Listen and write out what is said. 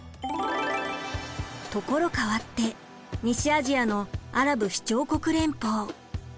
ところ変わって西アジアのアラブ首長国連邦。